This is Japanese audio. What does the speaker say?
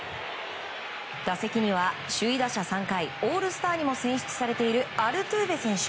打席には首位打者３回オールスターにも選出されているアルテューベ選手。